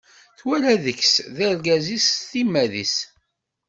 Twala deg-s d argaz-is s timmad-is.